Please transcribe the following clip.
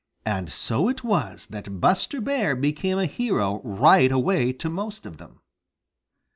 And so it was that Buster Bear became a hero right away to most of them.